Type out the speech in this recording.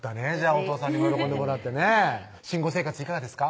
お父さんに喜んでもらってね新婚生活いかがですか？